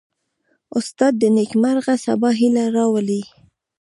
استاد د نیکمرغه سبا هیله راولي.